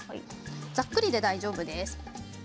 ざっくりで大丈夫です。